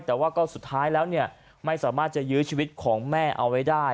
แต่ว่าก็สุดท้ายแล้วเนี่ยไม่สามารถจะยื้อชีวิตของแม่เอาไว้ได้